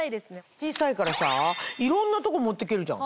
小さいからさいろんなとこ持って行けるじゃん。